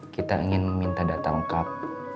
kita ingin meminta data lengkap